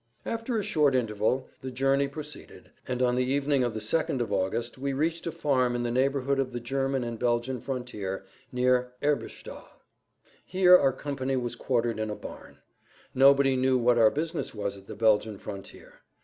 After a short interval the journey proceeded, and on[Pg 4] the evening of the 2nd of August we reached a farm in the neighborhood of the German and Belgian frontier, near Herbesthal. Here our company was quartered in a barn. Nobody knew what our business was at the Belgian frontier.